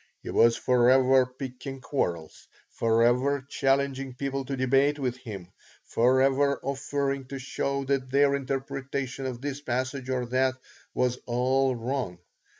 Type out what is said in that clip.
He was forever picking quarrels, forever challenging people to debate with him, forever offering to show that their interpretation of this passage or that was all wrong.